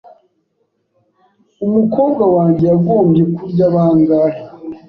Umukobwa wanjye yagombye kurya bangahe?